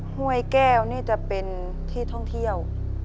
ห้วยแก้วนี่จะเป็นที่ท่องเที่ยว